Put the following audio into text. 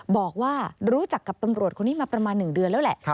บอกว่ารู้จักกับตำรวจคนนี้มาประมาณ๑เดือนแล้วแหละ